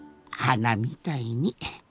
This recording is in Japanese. はなみたいに。